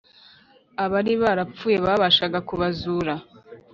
Abari barapfuye yabashaga kubazura